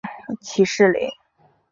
起士林。